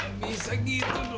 amis lagi itu dok